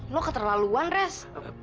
lo keterlaluan res